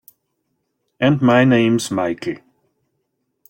And my name's Michael.